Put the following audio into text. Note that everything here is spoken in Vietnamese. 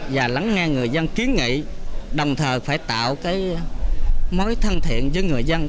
và lắng nghe người dân kiến nghị đồng thời phải tạo cái mối thân thiện với người dân